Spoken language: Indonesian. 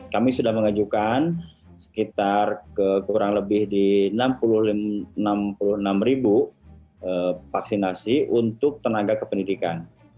kami sudah mengajukan sekitar kurang lebih di enam puluh enam vaksinasi untuk tenaga kependidikan